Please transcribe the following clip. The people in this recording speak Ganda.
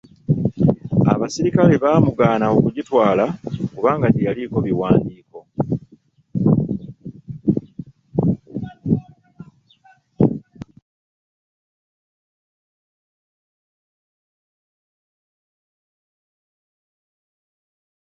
Abaserikale baamugana okugitwala kubanga teyaliiko biwandiiko.